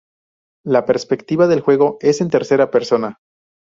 La perspectiva del juego es en tercera persona.